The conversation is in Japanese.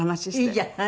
いいじゃない？